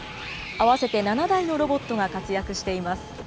合わせて７台のロボットが活躍しています。